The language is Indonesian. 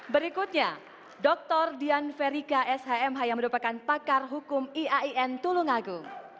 berikutnya dr dian verika shmh yang merupakan pakar hukum iain tulungagung